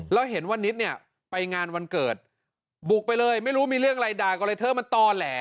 แล้วเห็นว่านิดเนี่ยไปงานวันเกิดบุกไปเลยไม่รู้มีเรื่องอะไรด่าก่อนเลยเธอมันต่อแหล